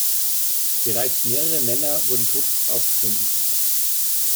Bereits mehrere Männer wurden tot aufgefunden.